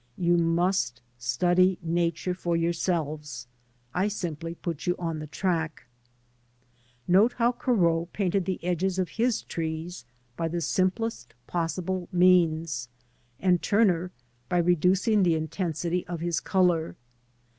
You must study Nature for yourselves, I simply put you on the track. Note how Corot painted the edges of his trees by the simplest possible means, and Turner by reducing the intensity of his colour.